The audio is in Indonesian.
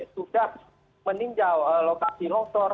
sudah meninjau lokasi longsor